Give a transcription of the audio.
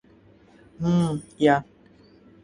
হুম, yeah.